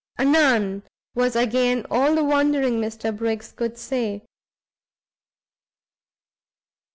"Anan!" was again all the wondering Mr Briggs could say.